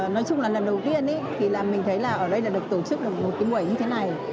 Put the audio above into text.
nói chung là lần đầu tiên thì là mình thấy là ở đây là được tổ chức được một cái buổi như thế này